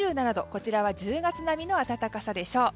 こちらは１０月並みの暖かさでしょう。